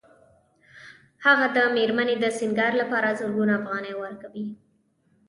هغه د مېرمنې د سینګار لپاره زرګونه افغانۍ ورکوي